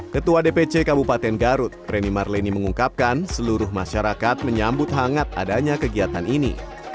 ketua dpc kabupaten garut preni marleni mengungkapkan seluruh masyarakat menyambut hangat adanya kegiatan ini